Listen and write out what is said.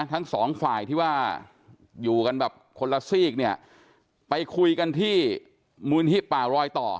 ทั้งสองฝ่ายที่ว่าอยู่กันแบบคนละซีกเนี่ยไปคุยกันที่มูลนิธิป่ารอยต่อ